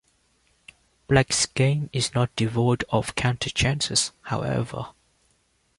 Black's game is not devoid of counterchances, however.